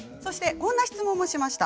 こんな質問もしました。